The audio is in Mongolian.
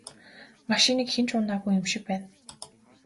Машиныг хэн ч унаагүй юм шиг байна.